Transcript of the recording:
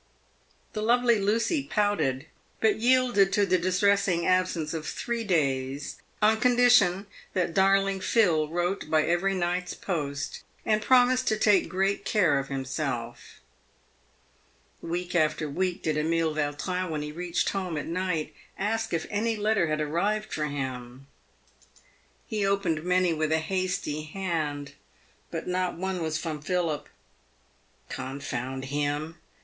The lovely Lucy pouted, but yielded to the distressing absence of three days, on condition that darling Phil wrote by every night's post, and promised to take great care of himself. Week after week did Emile Yautrin, when he reached home at night, ask if any letter had arrived for him. He opened many with a hasty hand, but not one was from Philip. " Confound him!"